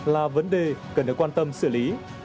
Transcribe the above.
là vấn đề cần được quan tâm xử lý